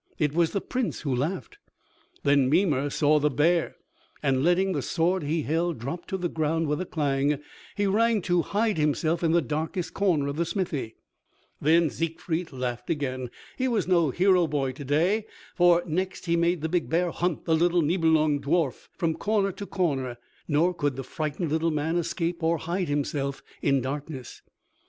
It was the Prince who laughed. Then Mimer saw the bear, and letting the sword he held drop to the ground with a clang, he ran to hide himself in the darkest corner of the smithy. Then Siegfried laughed again. He was no hero boy to day, for next he made the big bear hunt the little Nibelung dwarf from corner to corner, nor could the frightened little man escape or hide himself in darkness.